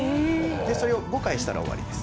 それを５回したら終わりです。